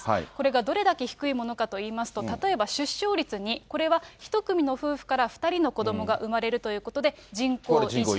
これがどれだけ低いものかといいますと、例えば出生率２これは１組の夫婦から２人の子どもが生まれるということで、人口維持。